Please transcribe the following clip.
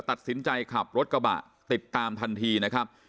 ตัดสินใจขับรถกระบะติดตามทันทีนะครับ